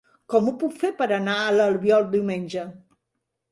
Com ho puc fer per anar a l'Albiol diumenge?